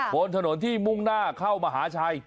บนถนนที่มุ่งหน้าเข้ามหาชัย